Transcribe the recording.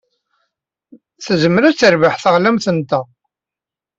Tezmer ad terbeḥ teɣlamt-nteɣ.